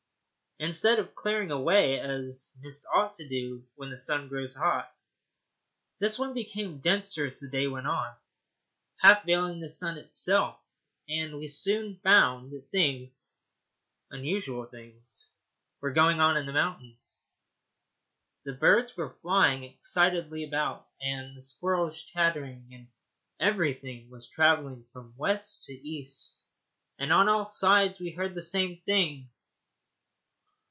Instead of clearing away, as mist ought to do when the sun grows hot, this one became denser as the day went on, half veiling the sun itself. And we soon found that things unusual things were going on in the mountains. The birds were flying excitedly about, and the squirrels chattering, and everything was travelling from west to east, and on all sides we heard the same thing.